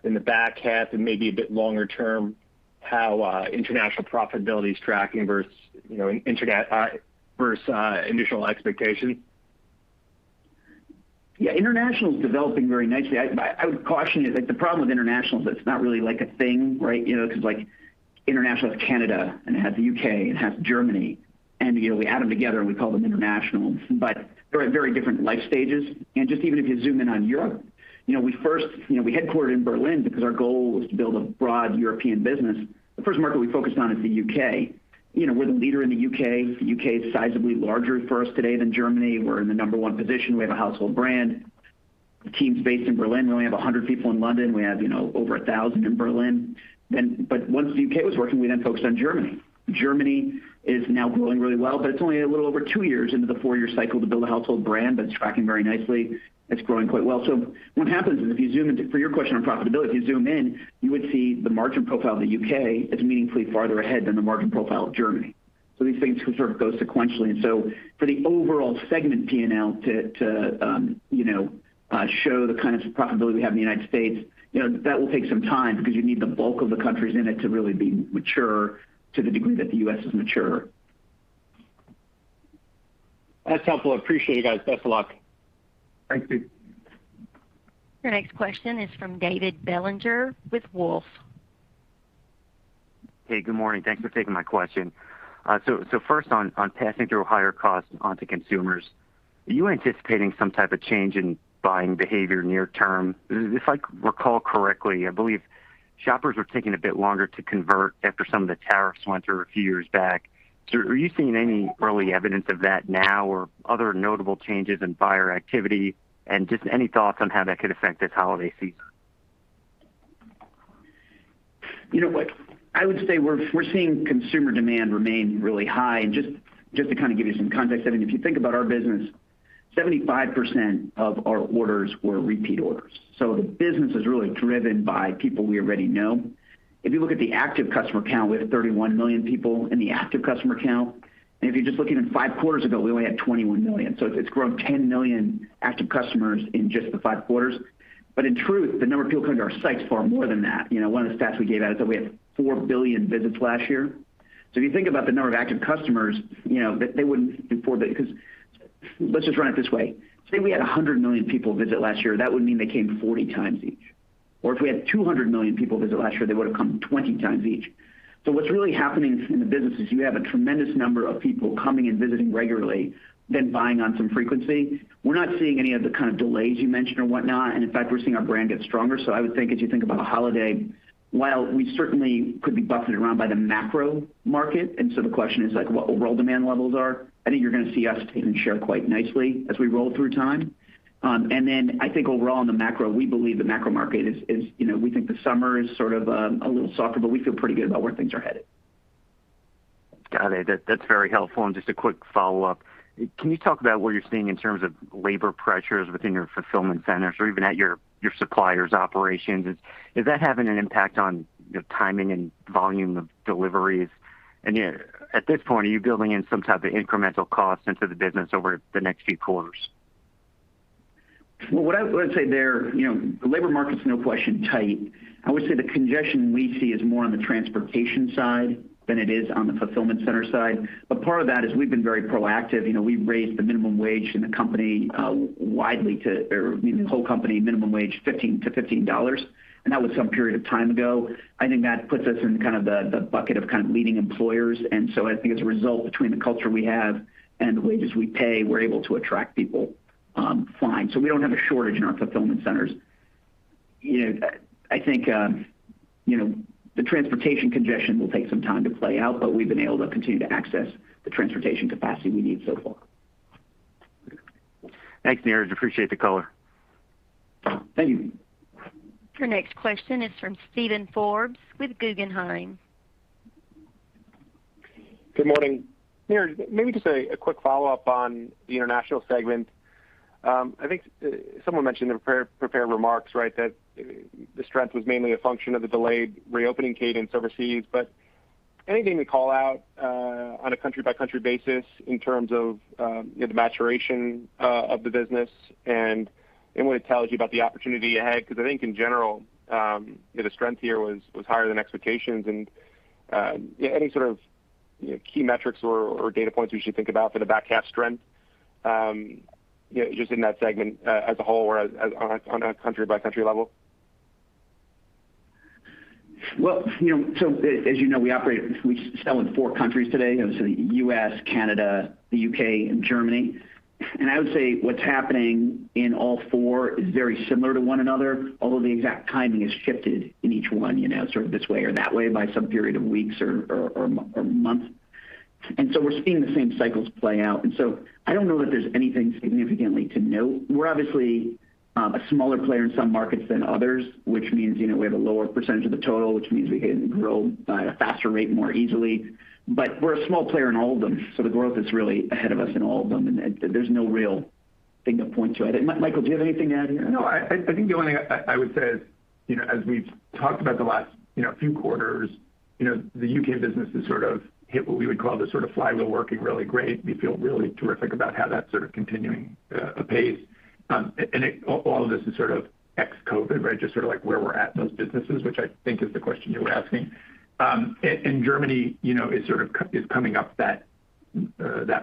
Speaker 8: in the back half and maybe a bit longer term, how international profitability is tracking versus initial expectations?
Speaker 2: Yeah, international is developing very nicely. I would caution you, the problem with international is it's not really a thing, right? International has Canada, and it has the U.K., and it has Germany, and we add them together, and we call them international. They're at very different life stages. Just even if you zoom in on Europe, we headquartered in Berlin because our goal was to build a broad European business. The first market we focused on is the U.K. We're the leader in the U.K. The U.K. is sizably larger for us today than Germany. We're in the number one position. We have a household brand. The team's based in Berlin. We only have 100 people in London. We have over 1,000 in Berlin. Once the U.K. was working, we then focused on Germany. Germany is now growing really well, it's only a little over two years into the four-year cycle to build a household brand, it's tracking very nicely. It's growing quite well. What happens is, for your question on profitability, if you zoom in, you would see the margin profile of the U.K. is meaningfully farther ahead than the margin profile of Germany. These things can sort of go sequentially. For the overall segment P&L to show the kind of profitability we have in the United States, that will take some time because you need the bulk of the countries in it to really be mature to the degree that the U.S. is mature.
Speaker 8: That's helpful. Appreciate it, guys. Best of luck.
Speaker 2: Thanks, Steve.
Speaker 5: Your next question is from David Bellinger with Wolfe.
Speaker 9: Hey, good morning. Thanks for taking my question. First on passing through higher costs onto consumers, are you anticipating some type of change in buying behavior near term? If I recall correctly, I believe shoppers were taking a bit longer to convert after some of the tariffs went through a few years back. Are you seeing any early evidence of that now or other notable changes in buyer activity? Just any thoughts on how that could affect this holiday season?
Speaker 2: I would say we're seeing consumer demand remain really high. Just to kind of give you some context, if you think about our business, 75% of our orders were repeat orders. The business is really driven by people we already know. If you look at the active customer count, we have 31 million people in the active customer count. If you're just looking at five quarters ago, we only had 21 million. It's grown 10 million active customers in just the five quarters. In truth, the number of people coming to our site is far more than that. One of the stats we gave out is that we had 4 billion visits last year. If you think about the number of active customers, they wouldn't be 4 billion, because let's just run it this way. Say we had 100 million people visit last year, that would mean they came 40 times each. If we had 200 million people visit last year, they would have come 20 times each. What's really happening in the business is you have a tremendous number of people coming and visiting regularly, then buying on some frequency. We're not seeing any of the kind of delays you mentioned or whatnot, and in fact, we're seeing our brand get stronger. I would think as you think about holiday, while we certainly could be buffeted around by the macro market, and so the question is what overall demand levels are, I think you're going to see us take and share quite nicely as we roll through time. I think overall in the macro, we believe the macro market, we think the summer is sort of a little softer. We feel pretty good about where things are headed.
Speaker 9: Got it. That's very helpful. Just a quick follow-up. Can you talk about what you're seeing in terms of labor pressures within your fulfillment centers or even at your suppliers' operations? Is that having an impact on the timing and volume of deliveries? Yet, at this point, are you building in some type of incremental cost into the business over the next few quarters?
Speaker 2: Well, what I would say there, the labor market's, no question, tight. I would say the congestion we see is more on the transportation side than it is on the fulfillment center side. Part of that is we've been very proactive. We've raised the whole company minimum wage to $15. That was some period of time ago. I think that puts us in the bucket of leading employers. I think as a result between the culture we have and the wages we pay, we're able to attract people fine. We don't have a shortage in our fulfillment centers. I think the transportation congestion will take some time to play out, but we've been able to continue to access the transportation capacity we need so far.
Speaker 9: Thanks, Niraj. Appreciate the color.
Speaker 2: Thank you.
Speaker 5: Your next question is from Steven Forbes with Guggenheim.
Speaker 10: Good morning. Niraj, maybe just a quick follow-up on the international segment. I think someone mentioned in the prepared remarks, that the strength was mainly a function of the delayed reopening cadence overseas. Anything we call out on a country-by-country basis in terms of the maturation of the business, and what it tells you about the opportunity ahead? I think in general, the strength here was higher than expectations. Any sort of key metrics or data points we should think about for the back half strength just in that segment as a whole or on a country-by-country level?
Speaker 2: As you know, we sell in four countries today. Obviously, the U.S., Canada, the U.K., and Germany. I would say what's happening in all four is very similar to one another, although the exact timing has shifted in each one, sort of this way or that way by some period of weeks or months. We're seeing the same cycles play out. I don't know that there's anything significantly to note. We're obviously a smaller player in some markets than others, which means we have a lower percentage of the total, which means we can grow at a faster rate more easily. We're a small player in all of them, so the growth is really ahead of us in all of them, and there's no real thing to point to. Michael, do you have anything to add here?
Speaker 4: No, I think the only thing I would say is, as we've talked about the last few quarters, the U.K. business has sort of hit what we would call the flywheel working really great. We feel really terrific about how that's sort of continuing apace. All of this is ex-COVID. Just sort of where we're at in those businesses, which I think is the question you were asking. Germany is coming up that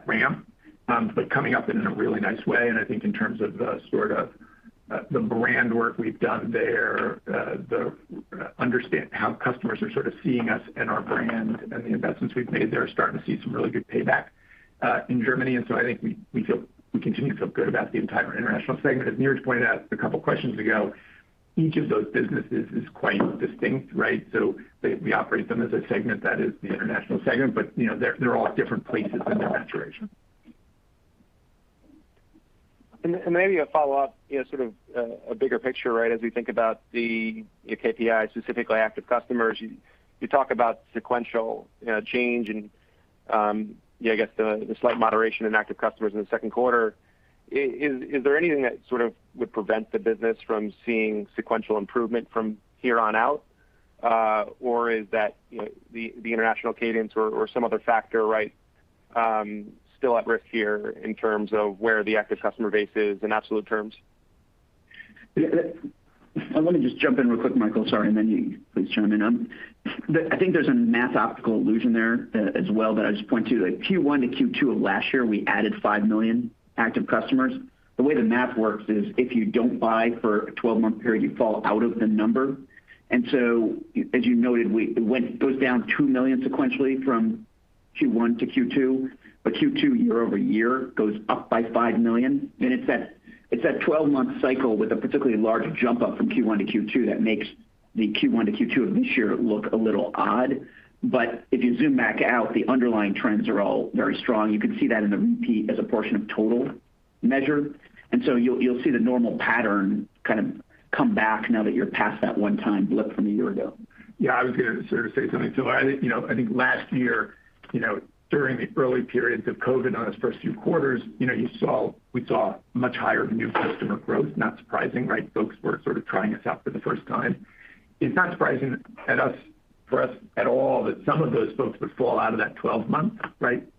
Speaker 4: ramp, but coming up in a really nice way, and I think in terms of the sort of the brand work we've done there, how customers are sort of seeing us and our brand and the investments we've made there are starting to see some really good payback in Germany. I think we continue to feel good about the entire international segment. As Niraj pointed out a couple of questions ago, each of those businesses is quite distinct. We operate them as a segment, that is the international segment, but they're all at different places in their maturation.
Speaker 10: Maybe a follow-up, sort of a bigger picture as we think about the KPI, specifically active customers. You talk about sequential change and, I guess the slight moderation in active customers in the second quarter. Is there anything that sort of would prevent the business from seeing sequential improvement from here on out? Or is that the international cadence or some other factor still at risk here in terms of where the active customer base is in absolute terms?
Speaker 2: Let me just jump in real quick, Michael, sorry, then you please chime in. I think there's a math optical illusion there as well that I'll just point to. Q1 to Q2 of last year, we added 5 million active customers. The way the math works is if you don't buy for a 12-month period, you fall out of the number. As you noted, it goes down 2 million sequentially from Q1 to Q2, but Q2 year-over-year goes up by 5 million. It's that 12-month cycle with a particularly large jump up from Q1 to Q2 that makes the Q1 to Q2 of this year look a little odd. If you zoom back out, the underlying trends are all very strong. You can see that in the repeat as a portion of total measure. You'll see the normal pattern kind of come back now that you're past that one-time blip from a year ago.
Speaker 4: Yeah, I was going to sort of say something. I think last year, during the early periods of COVID on its first few quarters, we saw much higher new customer growth. Not surprising. Folks were sort of trying us out for the first time. It's not surprising for us at all that some of those folks would fall out of that 12 months,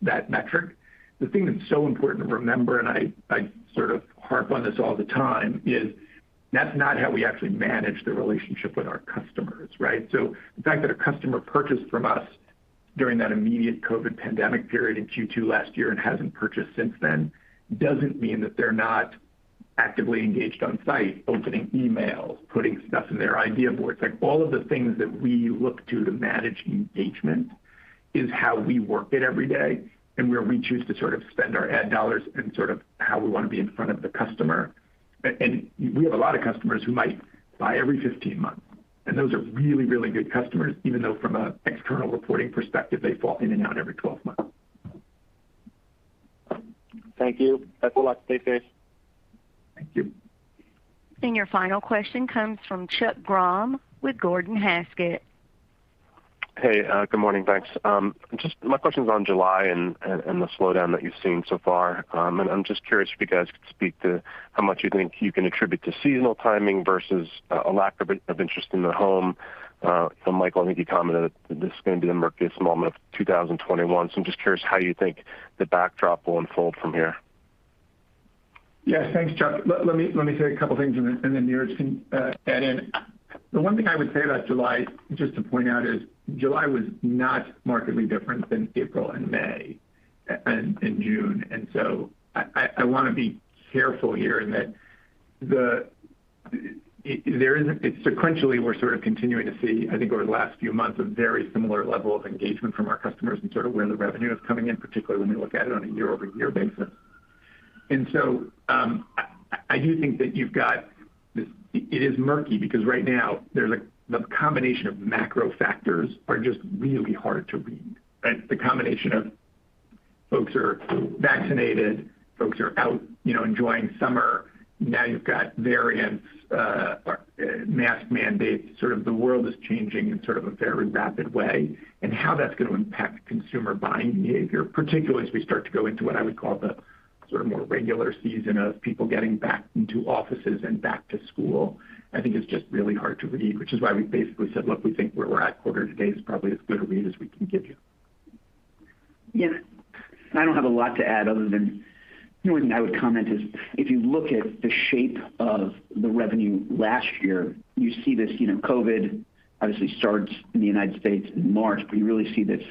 Speaker 4: that metric. The thing that's so important to remember, and I sort of harp on this all the time, is that's not how we actually manage the relationship with our customers. The fact that a customer purchased from us during that immediate COVID pandemic period in Q2 last year and hasn't purchased since then doesn't mean that they're not actively engaged on site, opening emails, putting stuff in their idea boards. All of the things that we look to to manage engagement is how we work it every day, where we choose to sort of spend our ad dollars and sort of how we want to be in front of the customer. We have a lot of customers who might buy every 15 months, and those are really, really good customers, even though from an external reporting perspective, they fall in and out every 12 months.
Speaker 10: Thank you. Best of luck. Stay safe.
Speaker 4: Thank you.
Speaker 5: Your final question comes from Chuck Grom with Gordon Haskett.
Speaker 11: Hey, good morning. Thanks. My question's on July and the slowdown that you've seen so far. I'm just curious if you guys could speak to how much you think you can attribute to seasonal timing versus a lack of interest in the home. Michael, I know you commented that this is going to be the murkiest moment of 2021. I'm just curious how you think the backdrop will unfold from here.
Speaker 4: Yes, thanks, Chuck. Let me say a couple of things, and then Niraj can add in. The one thing I would say about July, just to point out, is July was not markedly different than April and May and June. I want to be careful here in that sequentially, we're sort of continuing to see, I think, over the last few months, a very similar level of engagement from our customers and sort of where the revenue is coming in, particularly when we look at it on a year-over-year basis. I do think that it is murky because right now the combination of macro factors are just really hard to read. The combination of folks are vaccinated, folks are out enjoying summer. Now you've got variants, mask mandates, sort of the world is changing in sort of a very rapid way and how that's going to impact consumer buying behavior, particularly as we start to go into what I would call the sort of more regular season of people getting back into offices and back to school. I think it's just really hard to read, which is why we basically said, look, we think where we're at quarter to date is probably as good a read as we can give you. Yeah.
Speaker 2: I don't have a lot to add other than the only thing I would comment is if you look at the shape of the revenue last year, you see this COVID obviously starts in the United States in March, but you really see this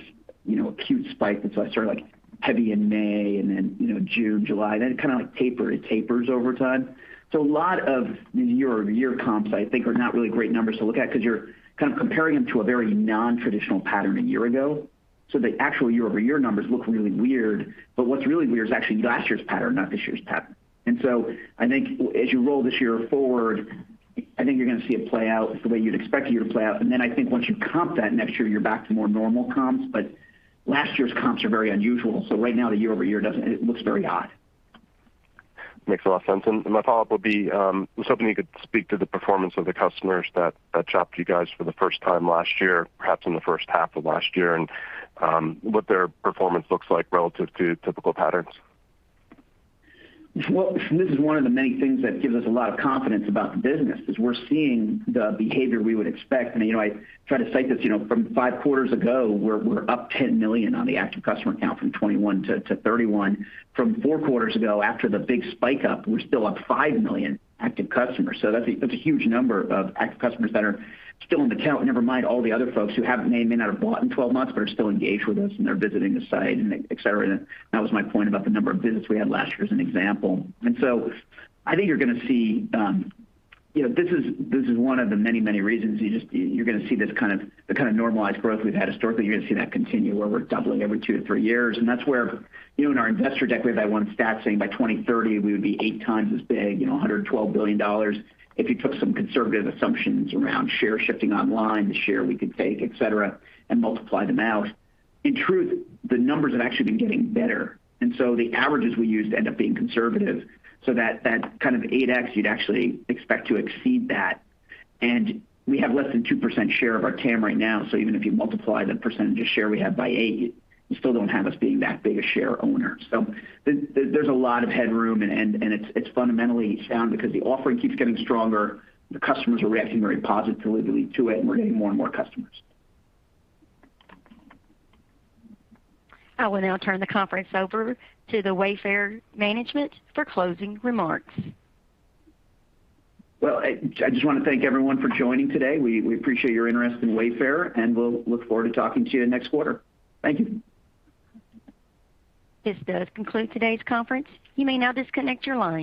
Speaker 2: acute spike that's sort of heavy in May and then June, July, then it kind of tapers over time. A lot of year-over-year comps I think are not really great numbers to look at because you're kind of comparing them to a very non-traditional pattern a year ago. The actual year-over-year numbers look really weird. What's really weird is actually last year's pattern, not this year's pattern. I think as you roll this year forward, I think you're going to see it play out the way you'd expect a year to play out. I think once you comp that next year, you're back to more normal comps. Last year's comps are very unusual. Right now, the year-over-year, it looks very odd.
Speaker 11: Makes a lot of sense. My follow-up would be, I was hoping you could speak to the performance of the customers that shopped you guys for the first time last year, perhaps in the first half of last year, and what their performance looks like relative to typical patterns.
Speaker 2: This is one of the many things that gives us a lot of confidence about the business is we're seeing the behavior we would expect. I try to cite this from five quarters ago, we're up $10 million on the active customer count from 21 to 31. From four quarters ago after the big spike up, we're still up $5 million active customers. That's a huge number of active customers that are still on account, never mind all the other folks who haven't, may have not bought in 12 months but are still engaged with us and they're visiting the site and et cetera. That was my point about the number of visits we had last year as an example. I think this is one of the many, many reasons you're going to see the kind of normalized growth we've had historically. You're going to see that continue where we're doubling every two to three years. That's where in our investor deck, we have that one stat saying by 2030 we would be eight times as big, $112 billion. If you took some conservative assumptions around share shifting online, the share we could take, et cetera, and multiply them out. In truth, the numbers have actually been getting better. The averages we use end up being conservative. That kind of 8x, you'd actually expect to exceed that. We have less than 2% share of our TAM right now. Even if you multiply the percentage of share we have by eight, you still don't have us being that big a share owner. There's a lot of headroom and it's fundamentally sound because the offering keeps getting stronger. The customers are reacting very positively to it and we're getting more and more customers.
Speaker 5: I will now turn the conference over to the Wayfair management for closing remarks.
Speaker 2: Well, I just want to thank everyone for joining today. We appreciate your interest in Wayfair and we'll look forward to talking to you next quarter. Thank you.
Speaker 5: This does conclude today's conference. You may now disconnect your lines.